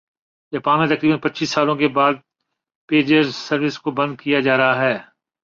Japan میں تقریبا ًپچيس سالوں کے بعد پیجر سروس کو بند کیا جا رہا ہے